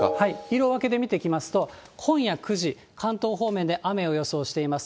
色分けで見ていきますと、今夜９時、関東方面で雨を予想しています。